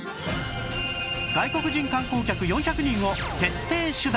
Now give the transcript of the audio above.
外国人観光客４００人を徹底取材